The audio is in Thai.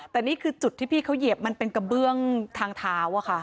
แต่นี่คือจุดที่พี่เขาเหยียบมันเป็นกระเบื้องทางเท้าค่ะ